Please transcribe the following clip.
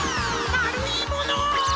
まるいもの！